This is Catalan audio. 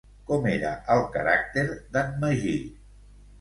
Com era el caràcter d'en Magí?